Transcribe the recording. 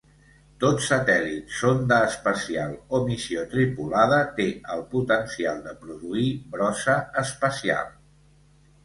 Tot satèl·lit, sonda espacial o missió tripulada té el potencial de produir brossa espacial.